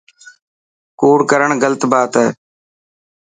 ڪوڙ ڪرڻ غلط بات هي.